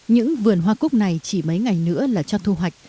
những vườn hoa cúc này chỉ mấy ngày nữa là cho thu hoạch